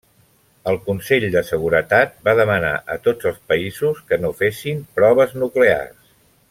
El Consell de Seguretat va demanar a tots els països que no fessin proves nuclears.